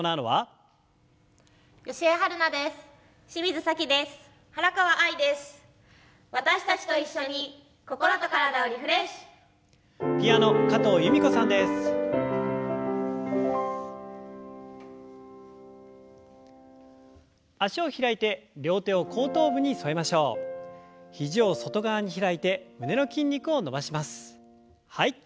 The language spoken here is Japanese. はい。